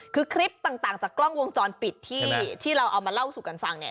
คือคลิปต่างจากกล้องวงจรปิดที่เราเอามาเล่าสู่กันฟังเนี่ย